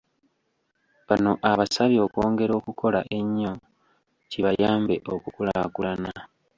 Bano abasabye okwongera okukola ennyo kibayambe okukulaakulana.